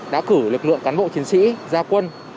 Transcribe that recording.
đã cử lực lượng cán bộ chiến sĩ gia quân